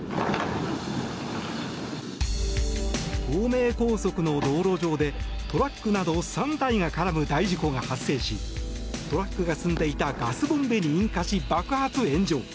東名高速の道路上でトラックなど３台が絡む大事故が発生しトラックが積んでいたガスボンベに引火し爆発・炎上。